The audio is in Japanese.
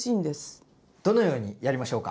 どのようにやりましょうか？